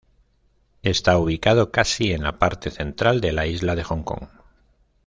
Está ubicado casi en la parte central de la isla de Hong Kong.